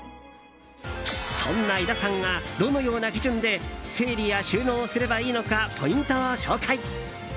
そんな井田さんがどのような基準で整理や収納をすればいいのかポイントを紹介。